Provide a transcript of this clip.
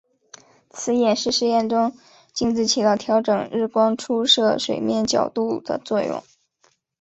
此演示实验中镜子起到调整日光出射水面角度的作用。